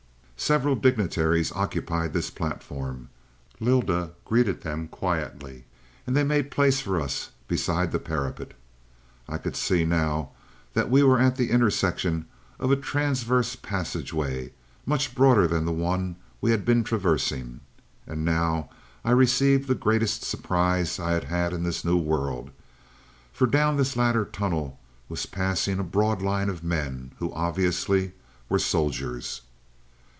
"Several dignitaries occupied this platform. Lylda greeted them quietly, and they made place for us beside the parapet. I could see now that we were at the intersection of a transverse passageway, much broader than the one we had been traversing. And now I received the greatest surprise I had had in this new world, for down this latter tunnel was passing a broad line of men who obviously were soldiers.